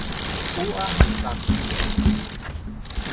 او اهل سغدی است.